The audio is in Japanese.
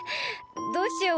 どうしよう。